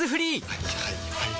はいはいはいはい。